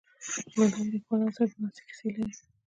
له لویو لیکوالو سره د ناستې کیسې لري.